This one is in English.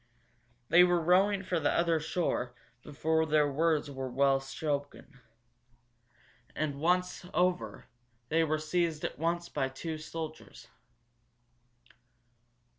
They were rowing for the other shore before the words were well spoken. And, once over, they were seized at once by two soldiers.